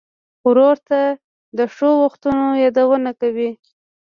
ورور ته د ښو وختونو یادونه کوې.